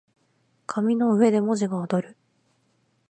紙の上で文字が躍る